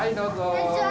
こんにちは！